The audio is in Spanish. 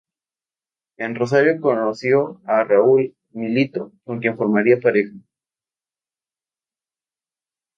En Rosario conoció a Raúl Milito con quien formaría pareja.